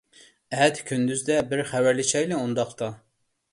ئەتە كۈندۈزدە بىر خەۋەرلىشەيلى ئۇنداقتا.